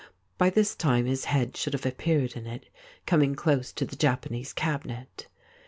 By this time his head should have appeared in it, coming close to the Japanese cabinet.